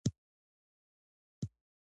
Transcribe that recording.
د سپیتزر انفراریډ تلسکوپ و.